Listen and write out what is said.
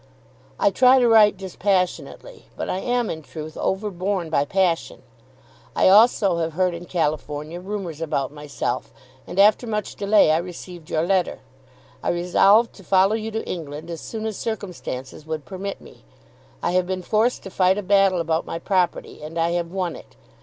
I try to write dispassionately, but I am in truth overborne by passion. I also have heard in California rumours about myself, and after much delay I received your letter. I resolved to follow you to England as soon as circumstances would permit me. I have been forced to fight a battle about my property, and I have won it.